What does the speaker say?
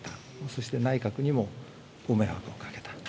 そして内閣にもご迷惑をかけた。